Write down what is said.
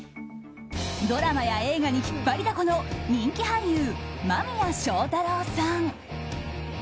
ドラマや映画に引っ張りだこの人気俳優、間宮祥太朗さん。